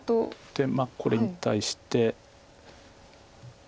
でこれに対して。